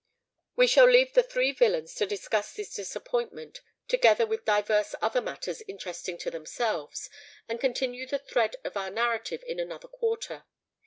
We shall leave the three villains to discuss this disappointment, together with divers other matters interesting to themselves, and continue the thread of our narrative in another quarter.